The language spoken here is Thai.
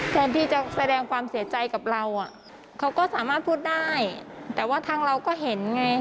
แทนที่จะแสดงความเสียใจกับเราอ่ะเขาก็สามารถพูดได้แต่ว่าทางเราก็เห็นไง